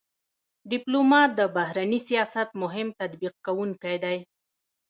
ډيپلومات د بهرني سیاست مهم تطبیق کوونکی دی.